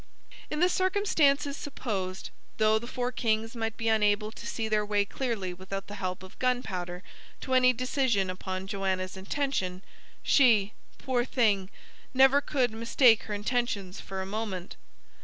In the circumstances supposed, though the four kings might be unable to see their way clearly without the help of gunpowder to any decision upon Joanna's intention, she poor thing! never could mistake her intentions for a moment.